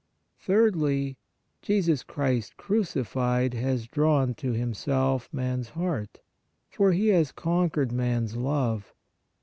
Thirdly, Jesus Christ crucified has drawn to Himself MAN S HEART,, for He has conquered man s love.